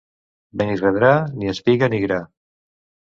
Benirredrà, ni espiga ni gra.